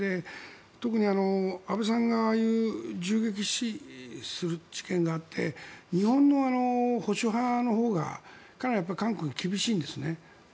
特に安倍さんがああいう銃撃死する事件があって日本の保守派のほうがかなり韓国に厳しいんですね。